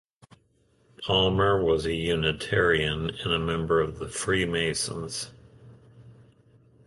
Palmer was a Unitarian and a member of the Freemasons.